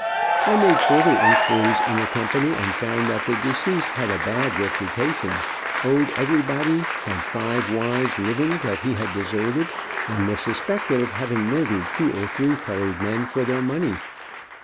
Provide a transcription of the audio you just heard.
I made further inquiries in the company, and found that the deceased had a bad reputation, owed everybody, had five wives living that he had deserted, and was suspected of having murdered two or three colored men for their money.